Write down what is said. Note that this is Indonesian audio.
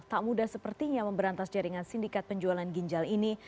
tak mudah sepertinya memberantas jaringan sindikat penjualan ginjal ini